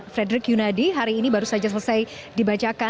fredrik yunadi hari ini baru saja selesai